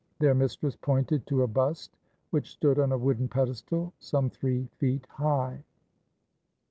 Their mistress pointed to a bust which stood on a wooden pedestal some three feet high.